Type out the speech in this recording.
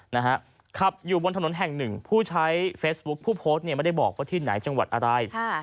นะฮะขับอยู่บนถนนแห่งหนึ่งผู้ใช้เฟซบุ๊คผู้โพสต์เนี่ยไม่ได้บอกว่าที่ไหนจังหวัดอะไร